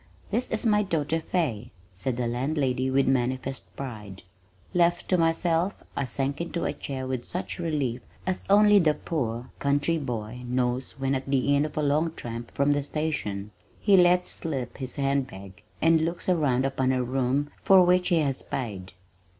"This is my daughter Fay," said the landlady with manifest pride. Left to myself I sank into a chair with such relief as only the poor homeless country boy knows when at the end of a long tramp from the station, he lets slip his hand bag and looks around upon a room for which he has paid.